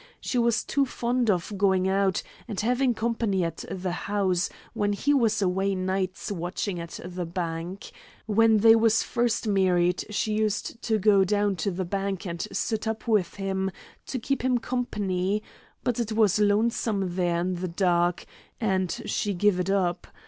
She was too fond of going out, and having company at the house, when he was away nights watching at the bank. When they was first married she used to go down to the bank and sit up with him to keep him company; but it was lonesome there in the dark, and she give it up.